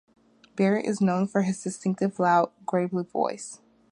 Barrett is known for his distinctive loud, gravelly voice.